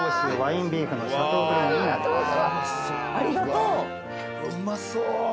うまそう！